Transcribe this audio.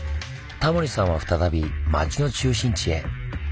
タモリさんは再び町の中心地へ。